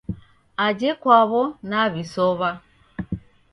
Ajhe kwaw'o naw'isow'a